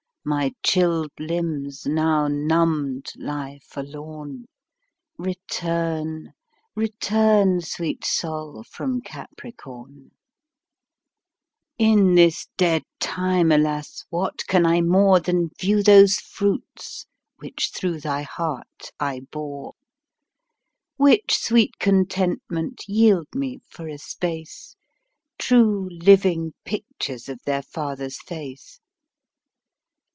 My chilled limbs now numbed lie forlorn; Return; return, sweet Sol, from Capricorn; In this dead time, alas, what can I more Than view those fruits which through thy heart I bore? Which sweet contentment yield me for a space, True living pictures of their father's face.